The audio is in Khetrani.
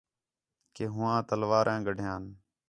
کہ ہوآں تلوار ہاں گڈھیان